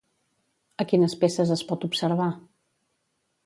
A quines peces es pot observar?